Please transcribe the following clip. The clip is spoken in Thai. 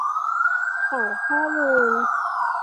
ส่องข้อมูล